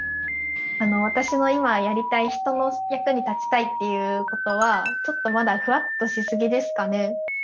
私の今やりたい「人の役に立ちたい」っていうことはちょっとまだフワッとし過ぎですかね？